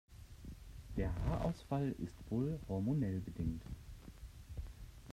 Der Haarausfall ist wohl hormonell bedingt.